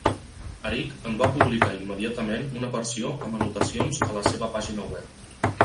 Eric en va publicar immediatament una versió amb anotacions a la seva pàgina web.